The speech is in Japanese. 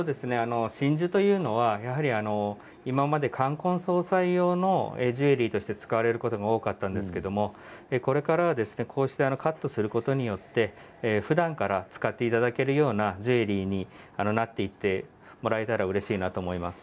真珠というのは今まで冠婚葬祭用のジュエリーとして使われることが多かったんですけれどこれからは、こうしてカットすることによってふだんから使っていただけるようなジュエリーになっていってもらえたらうれしいなと思います。